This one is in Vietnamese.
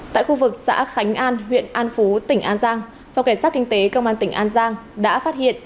tại khu vực xã khánh an huyện an phú tỉnh an giang phòng cảnh sát kinh tế công an tỉnh an giang đã phát hiện